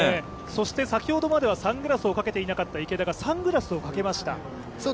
先ほどまでサングラスをかけてなかった池田がサングラスをかけました。